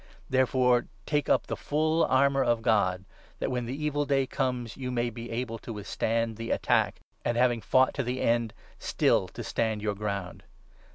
Therefore take up the full armour of God, that, when the evil day comes, you may be able to with stand the attack, and, having fought to the end, still to stand your ground.